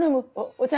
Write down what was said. お茶。